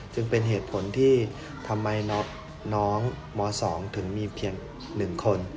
จึงเป็นเหตุผลที่ทำไมน้องม๒ถึงมีเพียง๑คน